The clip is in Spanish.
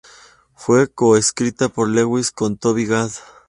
Fue co-escrita por Lewis con Toby Gad.